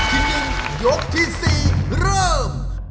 รอบทิ้งหนึ่งยกที่๔เริ่ม